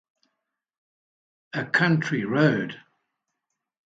A country road.